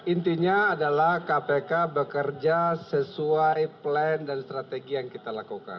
intinya adalah kpk bekerja sesuai plan dan strategi yang kita lakukan